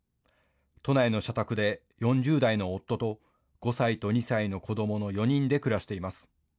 都内の社宅で４０代の夫と５歳と２歳の子どもの４人で暮らしています。